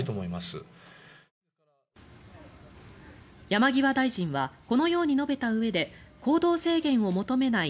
山際大臣はこのように述べたうえで行動制限を求めない